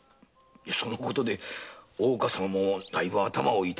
そのことで大岡様もだいぶ頭を痛めてるみたいですがね。